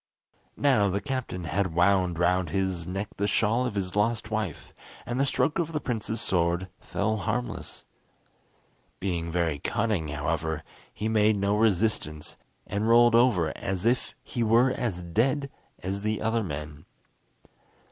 Now the captain had wound round his neck the shawl of his lost wife, and the stroke of the prince's sword fell harmless. Being very cunning, however, he made no resistance, and rolled over as if he were as dead as the other men.